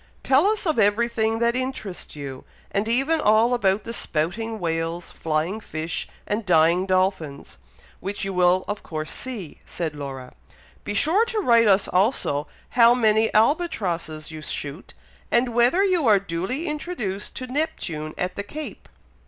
"Tell us of every thing that interests you, and even all about the spouting whales, flying fish, and dying dolphins, which you will of course see," said Laura. "Be sure to write us also, how many albatrosses you shoot, and whether you are duly introduced to Neptune at the Cape."